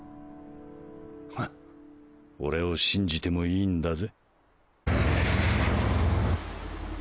フッ俺を信じてもいいんだぜ？